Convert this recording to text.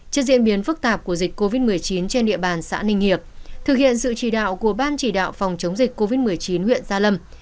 trước diễn biến phức tạp của dịch covid một mươi chín trên địa bàn xã ninh hiệp thực hiện sự chỉ đạo của ban chỉ đạo phòng chống dịch covid một mươi chín huyện gia lâm